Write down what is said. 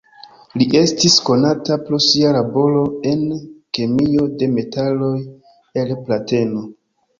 Li estis konata pro sia laboro en kemio de metaloj el plateno.